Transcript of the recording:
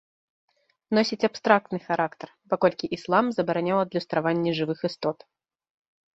Носіць абстрактны характар, паколькі іслам забараняў адлюстраванне жывых істот.